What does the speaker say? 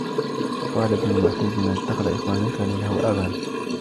وَقَالَ ابْنُ الْمُعْتَزِّ مَنْ اتَّخَذَ إخْوَانًا كَانُوا لَهُ أَعْوَانًا